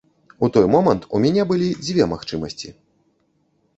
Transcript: І ў той момант у мяне былі дзве магчымасці.